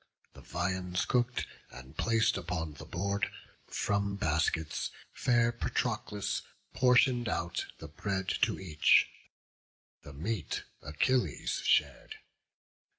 The viands cook'd and plac'd upon the board, From baskets fair Patroclus portion'd out The bread to each; the meat Achilles shar'd.